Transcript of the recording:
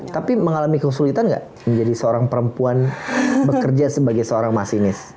tapi mengalami kesulitan gak menjadi seorang perempuan bekerja sebagai seorang masinis